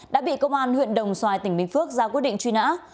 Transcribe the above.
đã bị công an huyện đồng xoài tỉnh bình phước ra quyết định truy nã